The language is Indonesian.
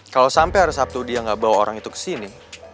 kalau sampai hari sabtu dia nggak bawa orang itu ke sini